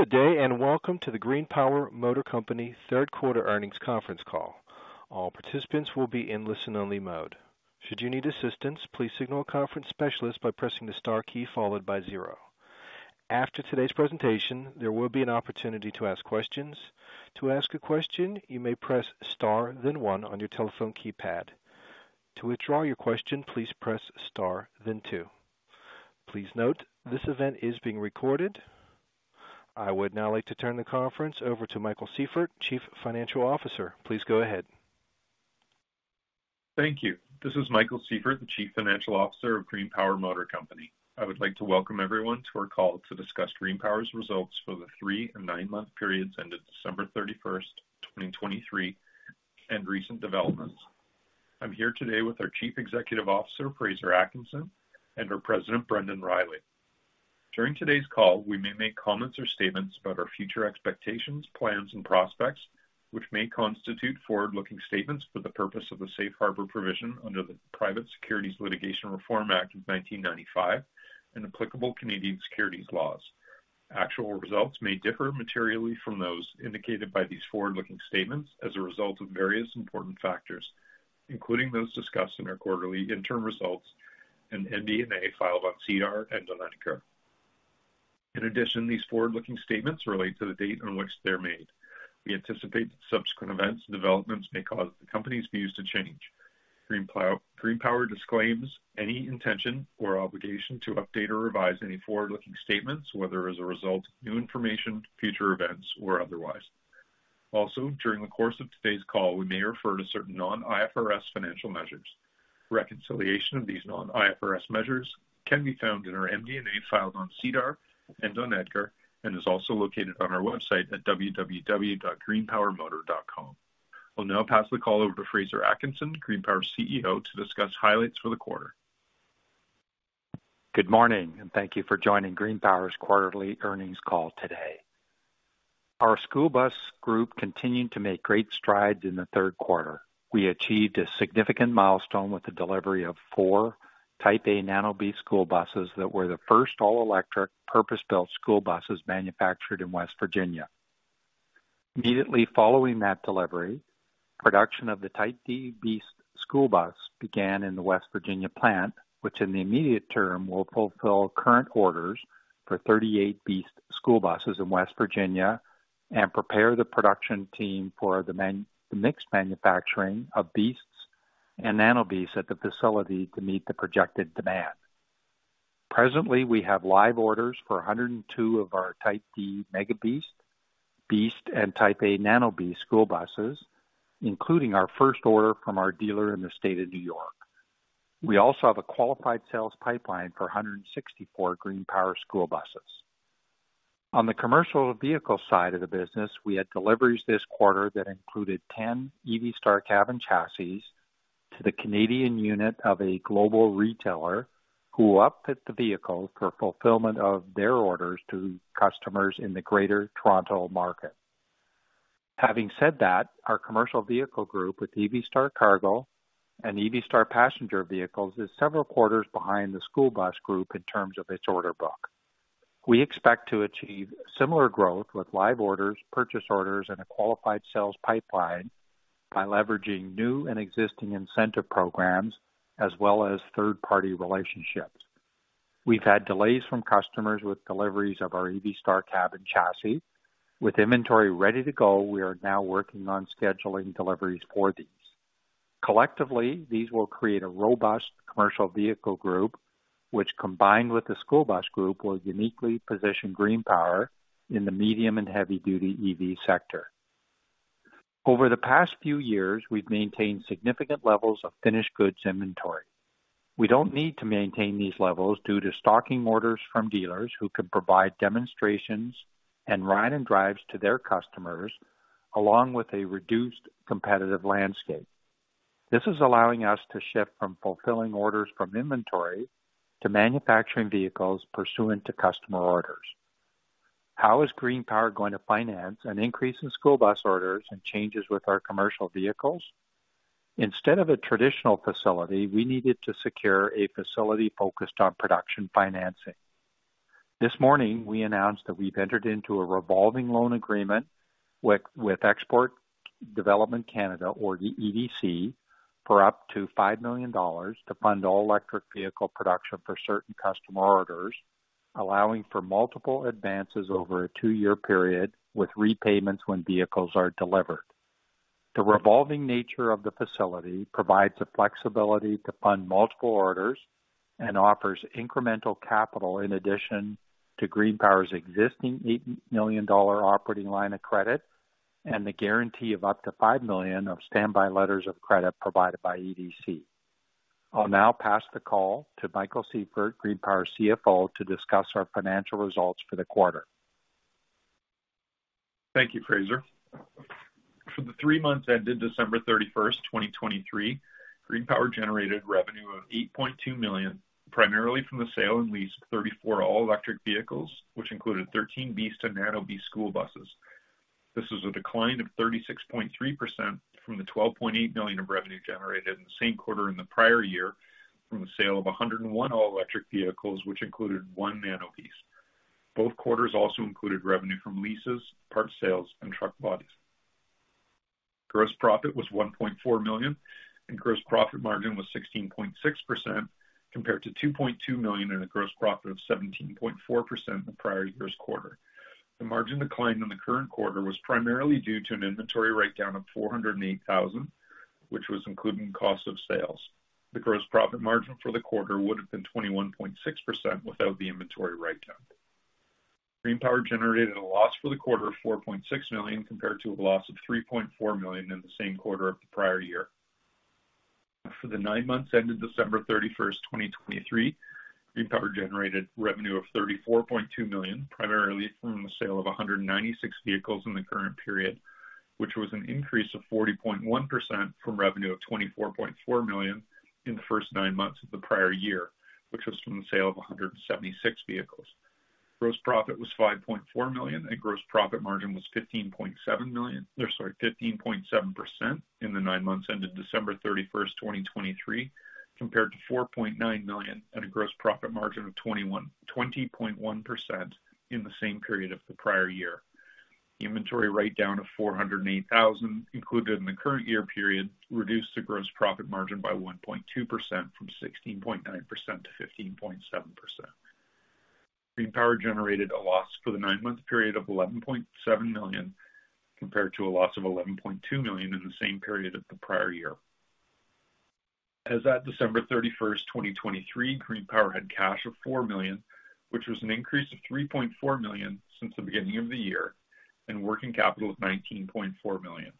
Good day, and welcome to the GreenPower Motor Company third quarter earnings conference call. All participants will be in listen-only mode. Should you need assistance, please signal a conference specialist by pressing the star key followed by zero. After today's presentation, there will be an opportunity to ask questions. To ask a question, you may press star then one on your telephone keypad. To withdraw your question, please press star then two. Please note, this event is being recorded. I would now like to turn the conference over to Michael Sieffert, Chief Financial Officer. Please go ahead. Thank you. This is Michael Sieffert, the Chief Financial Officer of GreenPower Motor Company. I would like to welcome everyone to our call to discuss GreenPower's results for the three- and nine-month periods ended December 31, 2023, and recent developments. I'm here today with our Chief Executive Officer, Fraser Atkinson, and our President, Brendan Riley. During today's call, we may make comments or statements about our future expectations, plans, and prospects, which may constitute forward-looking statements for the purpose of the Safe Harbor provision under the Private Securities Litigation Reform Act of 1995 and applicable Canadian securities laws. Actual results may differ materially from those indicated by these forward-looking statements as a result of various important factors, including those discussed in our quarterly interim results and MD&A filed on SEDAR and on EDGAR. In addition, these forward-looking statements relate to the date on which they're made. We anticipate subsequent events and developments may cause the company's views to change. GreenPower disclaims any intention or obligation to update or revise any forward-looking statements, whether as a result of new information, future events, or otherwise. Also, during the course of today's call, we may refer to certain non-IFRS financial measures. Reconciliation of these non-IFRS measures can be found in our MD&A filed on SEDAR and on EDGAR, and is also located on our website at www.greenpowermotor.com. I'll now pass the call over to Fraser Atkinson, GreenPower's CEO, to discuss highlights for the quarter. Good morning, and thank you for joining GreenPower's quarterly earnings call today. Our school bus group continued to make great strides in the third quarter. We achieved a significant milestone with the delivery of four Type A Nano BEAST school buses that were the first all-electric, purpose-built school buses manufactured in West Virginia. Immediately following that delivery, production of the Type D BEAST school bus began in the West Virginia plant, which in the immediate term, will fulfill current orders for 38 BEAST school buses in West Virginia and prepare the production team for the mixed manufacturing of BEASTs and Nano BEASTs at the facility to meet the projected demand. Presently, we have live orders for 102 of our Type D Mega BEAST, BEAST and Type A Nano BEAST school buses, including our first order from our dealer in the state of New York. We also have a qualified sales pipeline for 164 GreenPower school buses. On the commercial vehicle side of the business, we had deliveries this quarter that included 10 EV Star Cab & Chassis to the Canadian unit of a global retailer, who upfit the vehicle for fulfillment of their orders to customers in the Greater Toronto market. Having said that, our commercial vehicle group, with EV Star Cargo and EV Star Passenger vehicles, is several quarters behind the school bus group in terms of its order book. We expect to achieve similar growth with live orders, purchase orders, and a qualified sales pipeline by leveraging new and existing incentive programs as well as third-party relationships. We've had delays from customers with deliveries of our EV Star Cab & Chassis. With inventory ready to go, we are now working on scheduling deliveries for these. Collectively, these will create a robust commercial vehicle group, which, combined with the school bus group, will uniquely position GreenPower in the medium and heavy-duty EV sector. Over the past few years, we've maintained significant levels of finished goods inventory. We don't need to maintain these levels due to stocking orders from dealers who can provide demonstrations and ride and drives to their customers, along with a reduced competitive landscape. This is allowing us to shift from fulfilling orders from inventory to manufacturing vehicles pursuant to customer orders. How is GreenPower going to finance an increase in school bus orders and changes with our commercial vehicles? Instead of a traditional facility, we needed to secure a facility focused on production financing. This morning, we announced that we've entered into a revolving loan agreement with Export Development Canada, or the EDC, for up to $5 million to fund all-electric vehicle production for certain customer orders, allowing for multiple advances over a two-year period, with repayments when vehicles are delivered. The revolving nature of the facility provides the flexibility to fund multiple orders and offers incremental capital in addition to GreenPower's existing $8 million operating line of credit and the guarantee of up to $5 million of standby letters of credit provided by EDC. I'll now pass the call to Michael Sieffert, GreenPower's CFO, to discuss our financial results for the quarter. Thank you, Fraser. For the three months ended December 31, 2023, GreenPower generated revenue of $8.2 million, primarily from the sale and lease of 34 all-electric vehicles, which included 13 BEAST and Nano BEAST school buses. This is a decline of 36.3% from the $12.8 million of revenue generated in the same quarter in the prior year from the sale of 101 all-electric vehicles, which included one Nano BEAST. Both quarters also included revenue from leases, parts sales, and truck bodies. Gross profit was $1.4 million, and gross profit margin was 16.6%, compared to $2.2 million and a gross profit of 17.4% in the prior year's quarter. The margin decline in the current quarter was primarily due to an inventory write-down of $408,000, which was included in cost of sales. The gross profit margin for the quarter would have been 21.6% without the inventory write-down. GreenPower generated a loss for the quarter of $4.6 million, compared to a loss of $3.4 million in the same quarter of the prior year. For the nine months ended December 31, 2023, GreenPower generated revenue of $34.2 million, primarily from the sale of 196 vehicles in the current period, which was an increase of 40.1% from revenue of $24.4 million in the first nine months of the prior year, which was from the sale of 176 vehicles. Gross profit was $5.4 million, and gross profit margin was 15.7 million, or sorry, 15.7% in the nine months ended December 31, 2023, compared to $4.9 million at a gross profit margin of 20.1% in the same period of the prior year. Inventory write down of $408,000 included in the current year period, reduced the gross profit margin by 1.2% from 16.9%-15.7%. GreenPower generated a loss for the nine-month period of $11.7 million, compared to a loss of $11.2 million in the same period of the prior year. As at December 31, 2023, GreenPower had cash of $4 million, which was an increase of $3.4 million since the beginning of the year, and working capital of $19.4 million.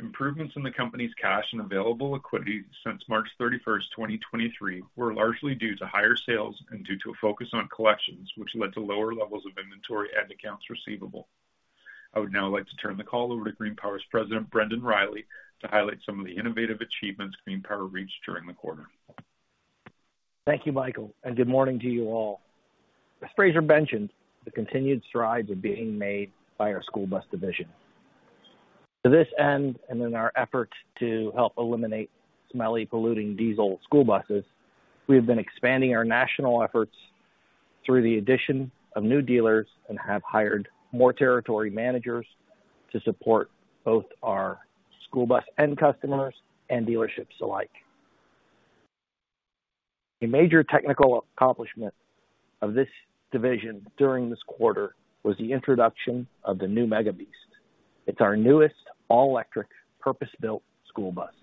Improvements in the company's cash and available liquidity since March 31, 2023, were largely due to higher sales and due to a focus on collections, which led to lower levels of inventory and accounts receivable. I would now like to turn the call over to GreenPower's President, Brendan Riley, to highlight some of the innovative achievements GreenPower reached during the quarter. Thank you, Michael, and good morning to you all. As Fraser mentioned, the continued strides are being made by our school bus division. To this end, and in our effort to help eliminate smelly, polluting diesel school buses, we have been expanding our national efforts through the addition of new dealers and have hired more territory managers to support both our school bus end customers and dealerships alike. A major technical accomplishment of this division during this quarter was the introduction of the new Mega BEAST. It's our newest all-electric, purpose-built school bus.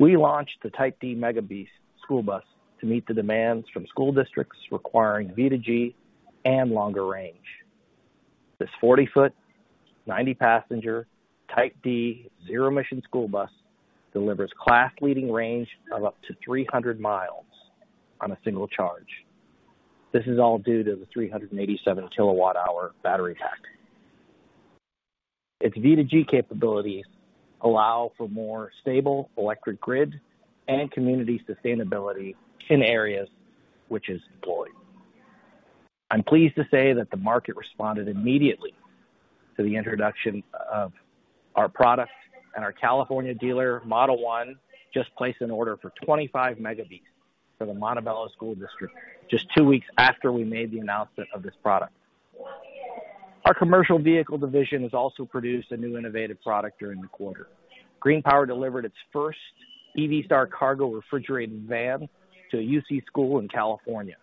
We launched the Type D Mega BEAST school bus to meet the demands from school districts requiring V2G and longer range. This 40-foot, 90-passenger, Type D, zero-emission school bus delivers class-leading range of up to 300 miles on a single charge. This is all due to the 387 kWh battery pack. Its V2G capabilities allow for more stable electric grid and community sustainability in areas which is deployed. I'm pleased to say that the market responded immediately to the introduction of our product, and our California dealer, Model 1, just placed an order for 25 Mega BEASTs for the Montebello Unified School District just two weeks after we made the announcement of this product. Our commercial vehicle division has also produced a new innovative product during the quarter. GreenPower delivered its first EV Star Cargo Refrigerated Van to a UC school in California.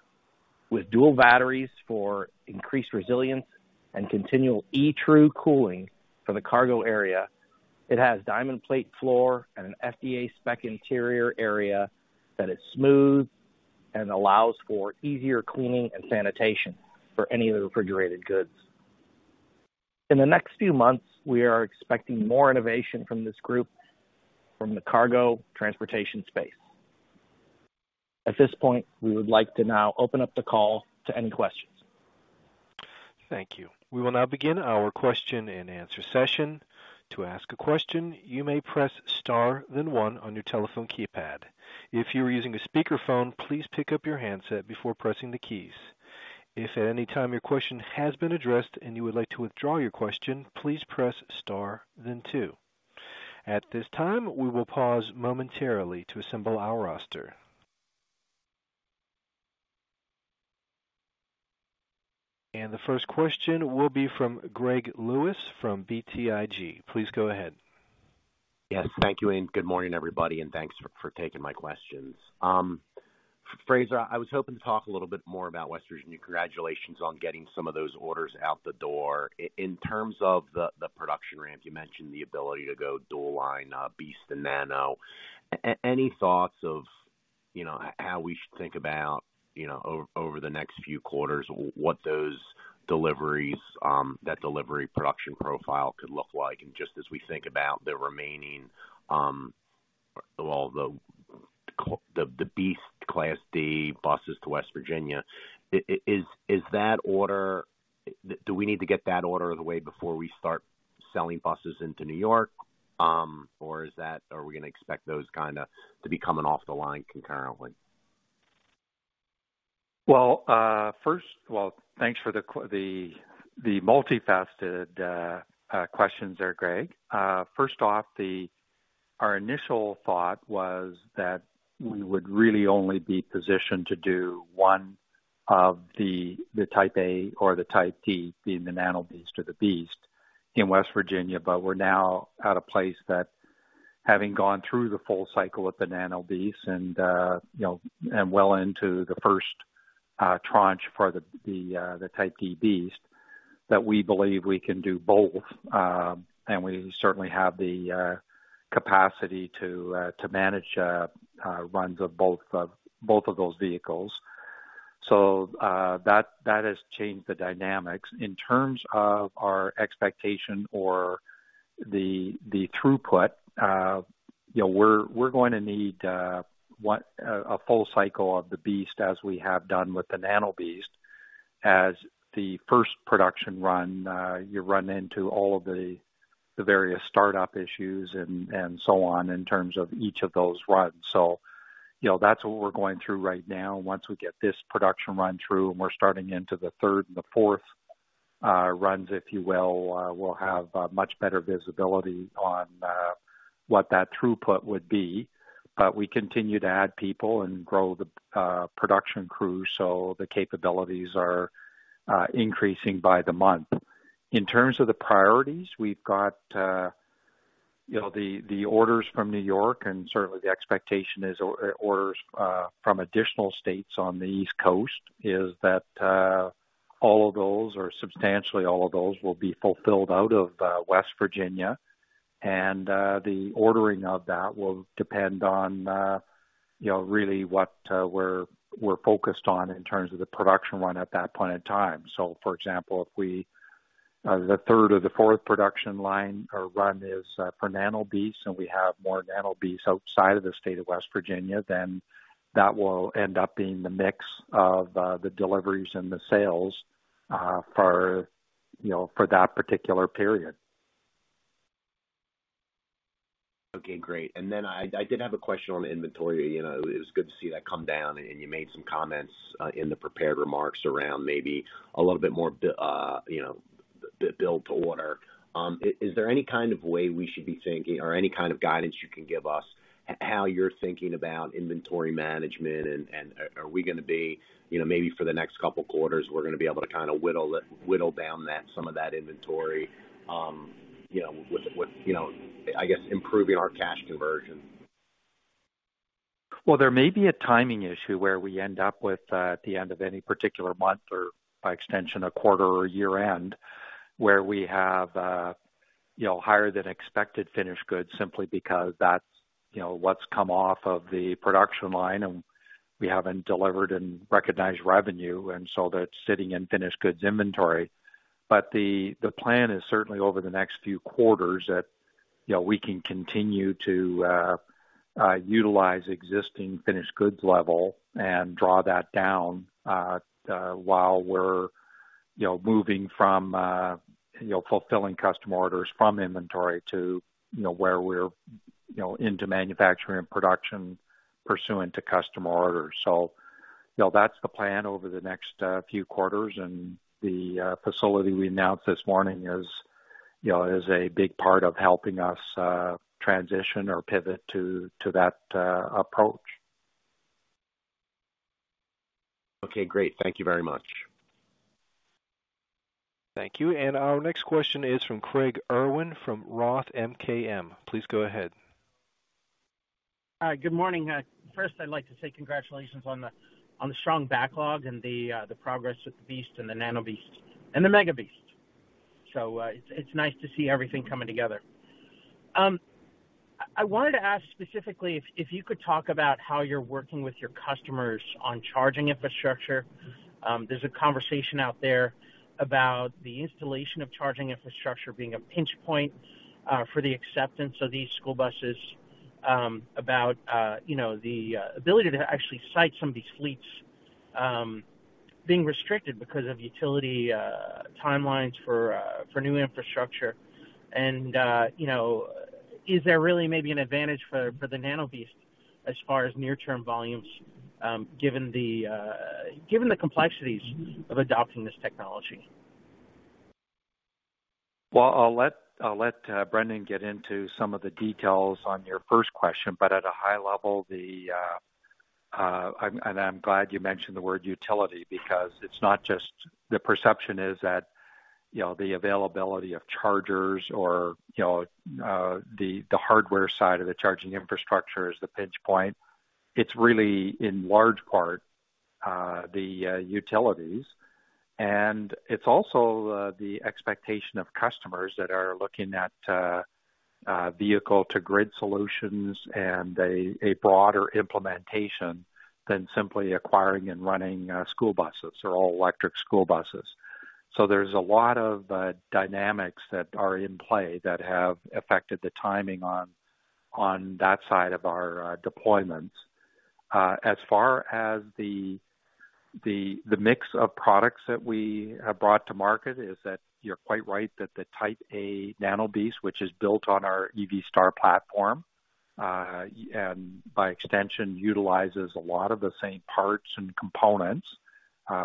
With dual batteries for increased resilience and continual eTRU cooling for the cargo area, it has diamond plate floor and an FDA spec interior area that is smooth and allows for easier cleaning and sanitation for any of the refrigerated goods. In the next few months, we are expecting more innovation from this group from the cargo transportation space. At this point, we would like to now open up the call to any questions. Thank you. We will now begin our question-and-answer session. To ask a question, you may press star, then one on your telephone keypad. If you are using a speakerphone, please pick up your handset before pressing the keys. If at any time your question has been addressed and you would like to withdraw your question, please press star then two. At this time, we will pause momentarily to assemble our roster. The first question will be from Greg Lewis from BTIG. Please go ahead. Yes, thank you, and good morning, everybody, and thanks for taking my questions. Fraser, I was hoping to talk a little bit more about West Virginia. Congratulations on getting some of those orders out the door. In terms of the production ramp, you mentioned the ability to go dual line, BEAST and Nano. Any thoughts of, you know, how we should think about, you know, over the next few quarters, what those deliveries, that delivery production profile could look like? And just as we think about the remaining, the BEAST Class D buses to West Virginia, is that order? Do we need to get that order out of the way before we start selling buses into New York? Or is that, are we going to expect those kinda to be coming off the line concurrently? Well, first, well, thanks for the multifaceted questions there, Greg. First off, our initial thought was that we would really only be positioned to do one of the Type A or the Type D, being the Nano BEAST or the BEAST, in West Virginia. But we're now at a place that having gone through the full cycle of the Nano BEAST and, you know, and well into the first tranche for the Type D BEAST, that we believe we can do both. And we certainly have the capacity to manage runs of both of those vehicles. So, that has changed the dynamics. In terms of our expectation or the throughput, you know, we're going to need a full cycle of the BEAST as we have done with the Nano BEAST. As the first production run, you run into all of the various startup issues and so on, in terms of each of those runs. So, you know, that's what we're going through right now. Once we get this production run through, and we're starting into the third and the fourth runs, if you will, we'll have much better visibility on what that throughput would be. But we continue to add people and grow the production crew, so the capabilities are increasing by the month. In terms of the priorities, we've got, you know, the orders from New York, and certainly the expectation is orders from additional states on the East Coast, is that all of those, or substantially all of those, will be fulfilled out of West Virginia. And the ordering of that will depend on, you know, really what we're focused on in terms of the production run at that point in time. So, for example, if the third or the fourth production line or run is for Nano BEAST, and we have more Nano BEAST outside of the state of West Virginia, then that will end up being the mix of the deliveries and the sales, for, you know, for that particular period. Okay, great. And then I did have a question on inventory. You know, it was good to see that come down, and you made some comments in the prepared remarks around maybe a little bit more, you know, build to order. Is there any kind of way we should be thinking or any kind of guidance you can give us how you're thinking about inventory management? And are we going to be, you know, maybe for the next couple of quarters, we're going to be able to kind of whittle down some of that inventory, you know, with you know, I guess, improving our cash conversion? Well, there may be a timing issue where we end up with, at the end of any particular month or by extension, a quarter or year-end, where we have, you know, higher than expected finished goods, simply because that's, you know, what's come off of the production line, and we haven't delivered and recognized revenue, and so that's sitting in finished goods inventory. But the plan is certainly over the next few quarters that, you know, we can continue to utilize existing finished goods level and draw that down, while we're, you know, moving from, you know, fulfilling customer orders from inventory to, you know, where we're, you know, into manufacturing and production pursuant to customer orders. So, you know, that's the plan over the next few quarters, and the facility we announced this morning is, you know, a big part of helping us transition or pivot to that approach. Okay, great. Thank you very much. Thank you. Our next question is from Craig Irwin from Roth MKM. Please go ahead. Hi, good morning. First, I'd like to say congratulations on the strong backlog and the progress with the BEAST and the Nano BEAST and the Mega BEAST. So, it's nice to see everything coming together. I wanted to ask specifically if you could talk about how you're working with your customers on charging infrastructure. There's a conversation out there about the installation of charging infrastructure being a pinch point for the acceptance of these school buses, about you know, the ability to actually site some of these fleets, being restricted because of utility timelines for new infrastructure. And you know, is there really maybe an advantage for the Nano BEAST as far as near-term volumes, given the complexities of adopting this technology? Well, I'll let Brendan get into some of the details on your first question, but at a high level, and I'm glad you mentioned the word utility, because it's not just the perception, is that, you know, the availability of chargers or, you know, the hardware side of the charging infrastructure is the pinch point. It's really, in large part, the utilities, and it's also the expectation of customers that are looking at vehicle-to-grid solutions and a broader implementation than simply acquiring and running school buses or all-electric school buses. So there's a lot of dynamics that are in play that have affected the timing on that side of our deployments. As far as the mix of products that we have brought to market, is that you're quite right that the Type A Nano BEAST, which is built on our EV Star platform, and by extension, utilizes a lot of the same parts and components,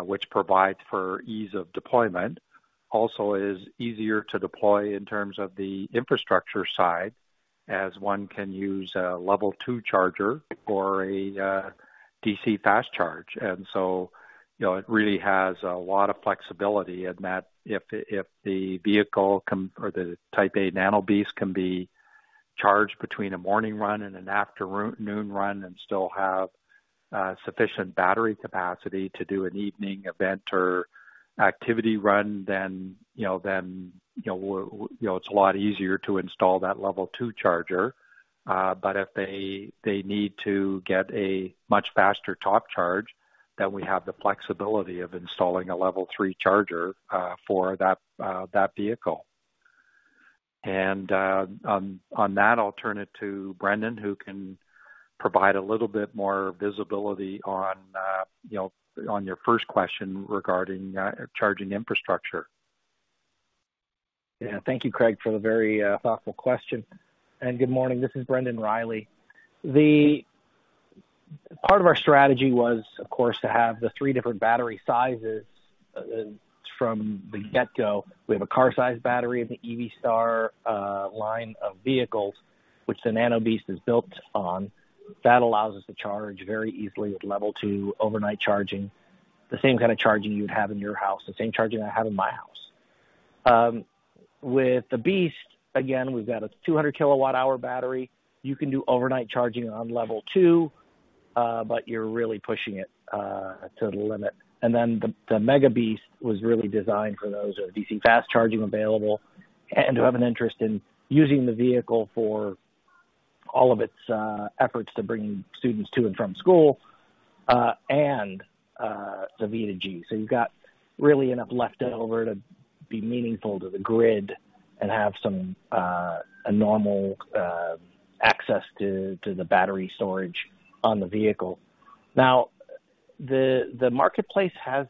which provides for ease of deployment. Also, is easier to deploy in terms of the infrastructure side, as one can use a Level 2 charger for a DC Fast Charge. And so, you know, it really has a lot of flexibility in that, if the Type A Nano BEAST can be charged between a morning run and an afternoon run and still have sufficient battery capacity to do an evening event or activity run, then, you know, then, you know, you know, it's a lot easier to install that Level 2 charger. But if they need to get a much faster top charge, then we have the flexibility of installing a Level 3 charger for that vehicle. And on that, I'll turn it to Brendan, who can provide a little bit more visibility on, you know, on your first question regarding charging infrastructure. Yeah, thank you, Craig, for the very, thoughtful question. Good morning. This is Brendan Riley. Part of our strategy was, of course, to have the three different battery sizes from the get-go. We have a car-sized battery in the EV Star line of vehicles, which the Nano BEAST is built on. That allows us to charge very easily with Level 2 overnight charging, the same kind of charging you'd have in your house, the same charging I have in my house. With the BEAST, again, we've got a 200 kWh battery. You can do overnight charging on Level 2, but you're really pushing it to the limit. And then the Mega BEAST was really designed for those with DC fast charging available, and who have an interest in using the vehicle for all of its efforts to bring students to and from school, and the V2G. So you've got really enough left over to be meaningful to the grid and have some a normal access to the battery storage on the vehicle. Now, the marketplace has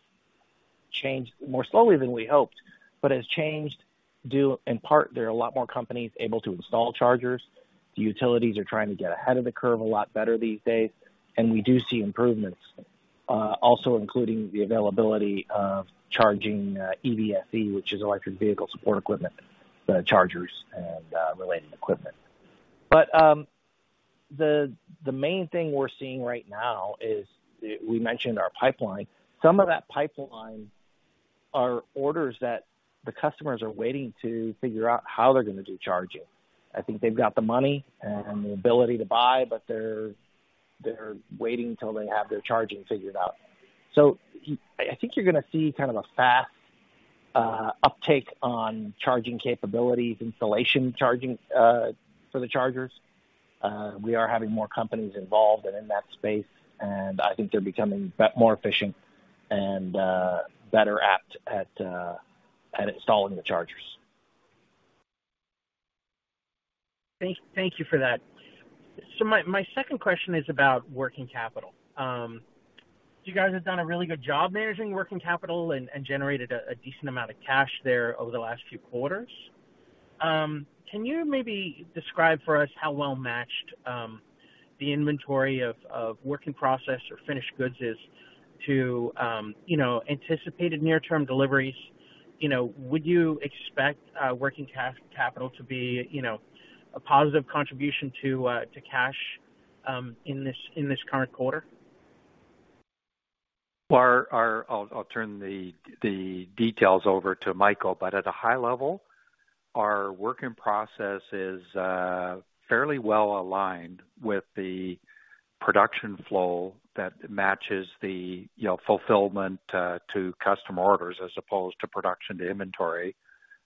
changed more slowly than we hoped, but has changed due in part. There are a lot more companies able to install chargers. The utilities are trying to get ahead of the curve a lot better these days, and we do see improvements, also including the availability of charging EVSE, which is electric vehicle supply equipment, the chargers and related equipment. But the main thing we're seeing right now is, we mentioned our pipeline. Some of that pipeline are orders that the customers are waiting to figure out how they're going to do charging. I think they've got the money and the ability to buy, but they're waiting until they have their charging figured out. So I think you're going to see kind of a fast uptake on charging capabilities, installation, charging for the chargers. We are having more companies involved and in that space, and I think they're becoming more efficient and better adept at installing the chargers. Thank you for that. So my second question is about working capital. You guys have done a really good job managing working capital and generated a decent amount of cash there over the last few quarters. Can you maybe describe for us how well matched the inventory of work-in-process or finished goods is to you know, anticipated near-term deliveries? You know, would you expect working capital to be you know, a positive contribution to to cash in this current quarter? Well, I'll turn the details over to Michael, but at a high level, our work-in-process is fairly well aligned with the production flow that matches the, you know, fulfillment to customer orders, as opposed to production to inventory.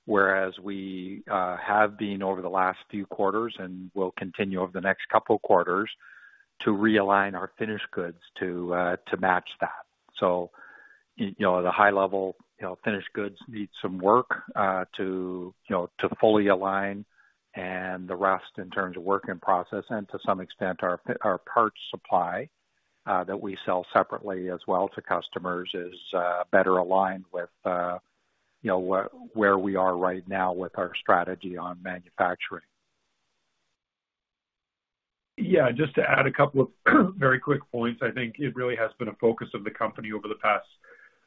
Whereas we have been over the last few quarters and will continue over the next couple of quarters, to realign our finished goods to match that. So, you know, at a high level, you know, finished goods need some work to, you know, to fully align, and the rest, in terms of work-in-process and to some extent, our parts supply that we sell separately as well to customers, is better aligned with, you know, where we are right now with our strategy on manufacturing. Yeah, just to add a couple of very quick points. I think it really has been a focus of the company over the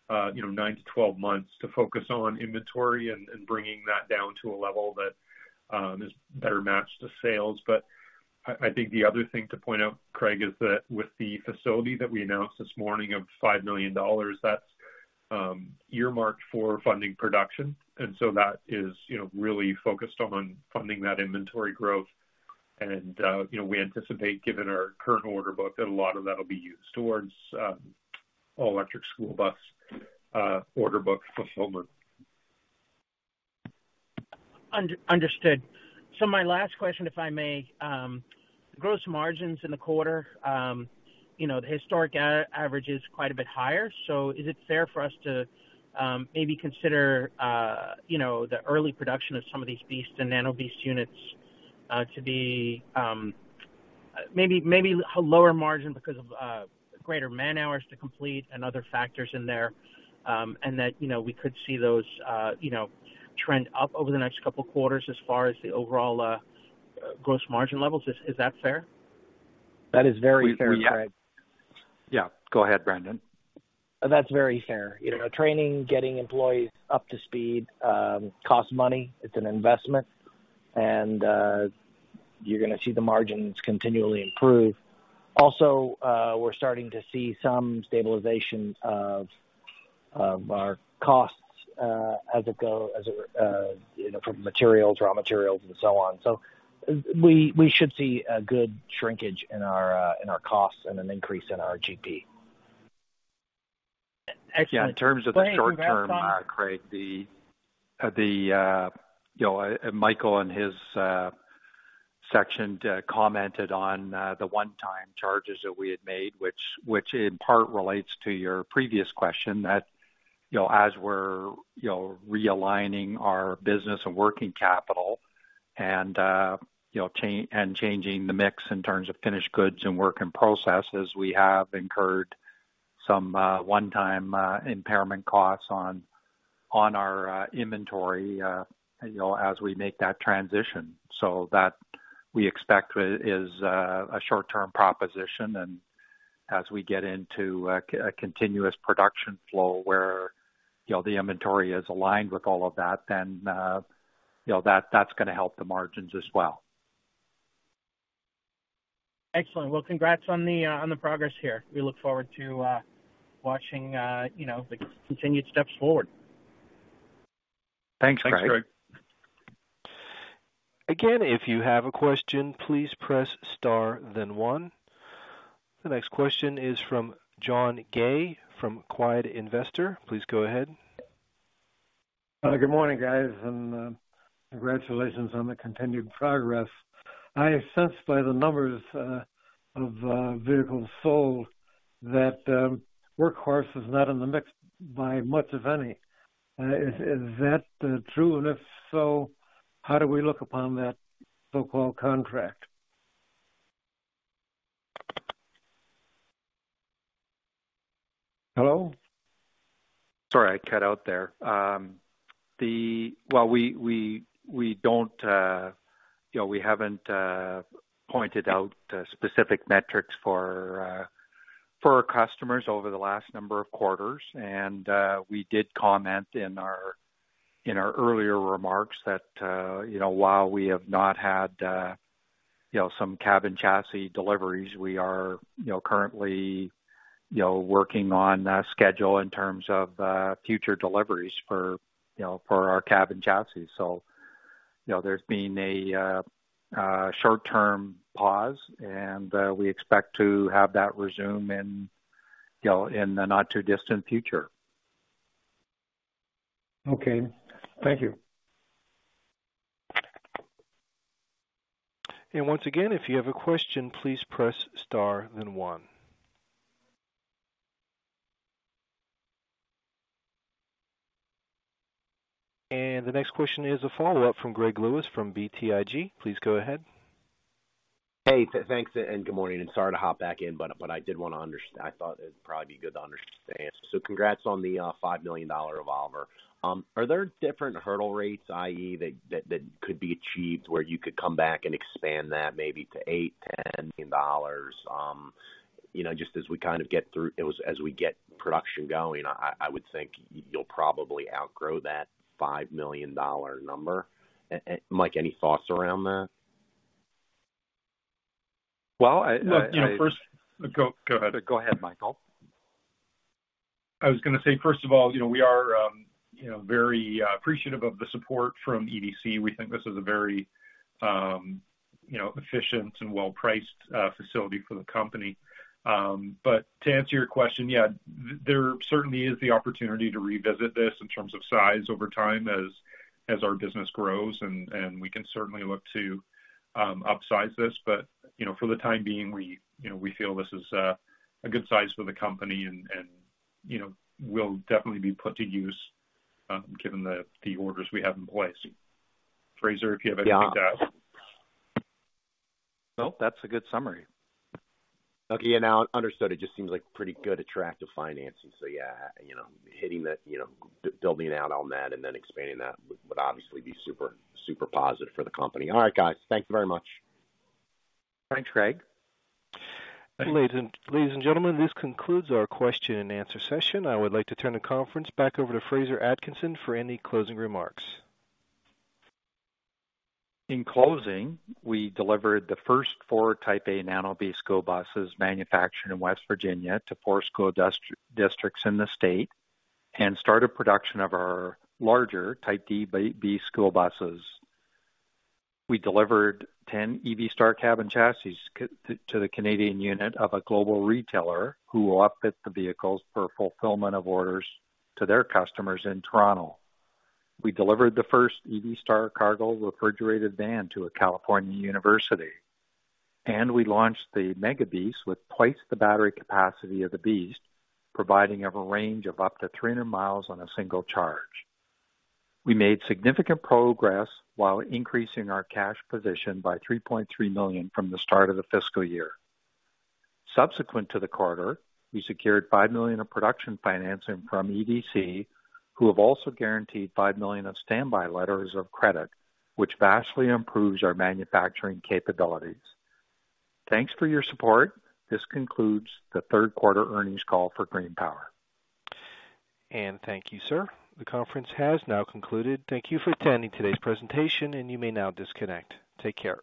past, you know, 9-12 months, to focus on inventory and bringing that down to a level that is better matched to sales. But I think the other thing to point out, Craig, is that with the facility that we announced this morning of $5 million, that's earmarked for funding production, and so that is, you know, really focused on funding that inventory growth. And, you know, we anticipate, given our current order book, that a lot of that will be used towards all-electric school bus order book fulfillment. Understood. So my last question, if I may. Gross margins in the quarter, you know, the historic average is quite a bit higher. So is it fair for us to maybe consider, you know, the early production of some of these BEASTs and Nano BEAST units to be. Maybe a lower margin because of greater man-hours to complete and other factors in there, and that, you know, we could see those, you know, trend up over the next couple of quarters as far as the overall gross margin levels. Is that fair? That is very fair, Craig. Yeah, go ahead, Brendan. That's very fair. You know, training, getting employees up to speed, costs money. It's an investment, and you're going to see the margins continually improve. Also, we're starting to see some stabilization of our costs as it goes, you know, from materials, raw materials, and so on. So we should see a good shrinkage in our costs and an increase in our GP. Excellent. Yeah, in terms of the short term, Craig, you know, Michael and his section commented on the one-time charges that we had made, which in part relates to your previous question that, you know, as we're you know, realigning our business and working capital and you know, and changing the mix in terms of finished goods and work processes, we have incurred some one-time impairment costs on our inventory you know, as we make that transition. So that we expect is a short-term proposition. And as we get into a continuous production flow where you know, the inventory is aligned with all of that, then you know, that's going to help the margins as well. Excellent. Well, congrats on the, on the progress here. We look forward to, watching, you know, the continued steps forward. Thanks, Craig. Thanks, Craig. Again, if you have a question, please press star then one. The next question is from John Gay, from Quiet Investor. Please go ahead. Good morning, guys, and congratulations on the continued progress. I sense by the numbers of vehicles sold that Workhorse is not in the mix by much of any. Is that true? And if so, how do we look upon that so-called contract? Hello? Sorry, I cut out there. Well, we don't, you know, we haven't pointed out specific metrics for our customers over the last number of quarters. We did comment in our earlier remarks that, you know, while we have not had, you know, some cab chassis deliveries, we are, you know, currently, you know, working on schedule in terms of future deliveries for, you know, for our cab chassis. So, you know, there's been a short-term pause, and we expect to have that resume in, you know, in the not-too-distant future. Okay. Thank you. And once again, if you have a question, please press star then one. And the next question is a follow-up from Greg Lewis from BTIG. Please go ahead. Hey, thanks, and good morning, and sorry to hop back in, but I did want to understand. I thought it'd probably be good to understand. So congrats on the $5 million revolver. Are there different hurdle rates, i.e., that could be achieved where you could come back and expand that maybe to $8 million-$10 million? You know, just as we kind of get through, as we get production going, I would think you'll probably outgrow that $5 million number. A Mike, any thoughts around that? Well, I. Look, you know, first. Go, go ahead. Go ahead, Michael. I was going to say, first of all, you know, we are, you know, very appreciative of the support from EDC. We think this is a very, you know, efficient and well-priced facility for the company. But to answer your question, yeah, there certainly is the opportunity to revisit this in terms of size over time as, as our business grows, and, and we can certainly look to upsize this. But, you know, for the time being, we, you know, we feel this is a good size for the company and, and, you know, will definitely be put to use, given the, the orders we have in place. Fraser, if you have anything to add. Well, that's a good summary. Okay, yeah, now understood. It just seems like pretty good attractive financing. So yeah, you know, hitting that, you know, building out on that and then expanding that would, would obviously be super, super positive for the company. All right, guys. Thank you very much. Thanks, Craig. Ladies and gentlemen, this concludes our question and answer session. I would like to turn the conference back over to Fraser Atkinson for any closing remarks. In closing, we delivered the first four Type A Nano BEAST school buses manufactured in West Virginia to four school districts in the state, and started production of our larger Type D BEAST school buses. We delivered 10 EV Star Cab & Chassis to the Canadian unit of a global retailer, who will outfit the vehicles for fulfillment of orders to their customers in Toronto. We delivered the first EV Star Cargo refrigerated van to a California university, and we launched the Mega BEAST with twice the battery capacity of the BEAST, providing of a range of up to 300 miles on a single charge. We made significant progress while increasing our cash position by $3.3 million from the start of the fiscal year. Subsequent to the quarter, we secured $5 million of production financing from EDC, who have also guaranteed $5 million of standby letters of credit, which vastly improves our manufacturing capabilities. Thanks for your support. This concludes the third quarter earnings call for GreenPower. Thank you, sir. The conference has now concluded. Thank you for attending today's presentation, and you may now disconnect. Take care.